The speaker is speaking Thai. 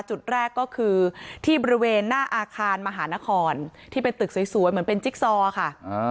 จุดแรกก็คือที่บริเวณหน้าอาคารมหานครที่เป็นตึกสวยเหมือนเป็นจิ๊กซอค่ะ